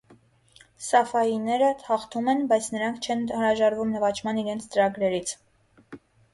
Սաֆավիները հաղթում են, բայց նրանք չեն հրաժարվում նվաճման իրենց ծրագրերից։